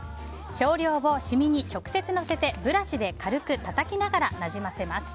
少量をシミに直接乗せてブラシで軽くたたきながらなじませます。